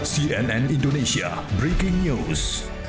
cnn indonesia breaking news